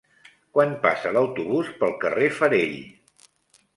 Quan passa l'autobús pel carrer Farell?